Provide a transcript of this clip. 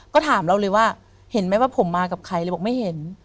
ก็ถามเราเลยว่าเห็นไหมว่าผมมากับใครเลยบอกไม่เห็น